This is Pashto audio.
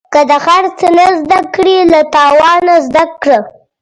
که د خرڅ نه زده کړې، له تاوانه زده کړه.